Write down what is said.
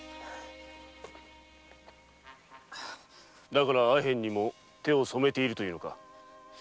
だからアヘンにも手を染めていると言うのか。